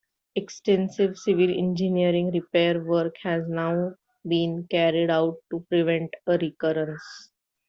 Extensive civil engineering repair work has now been carried out to prevent a recurrence.